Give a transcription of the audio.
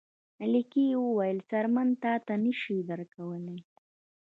ملکې وویل څرمن تاته نه شي درکولی.